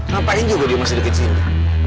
ngapain juga dia masih dekat sini